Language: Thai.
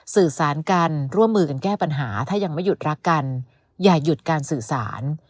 สื่อสารกันร่วมมือกันแก้ปัญหาถ้ายังไม่หยุดรักกันอย่าหยุดการสื่อสาร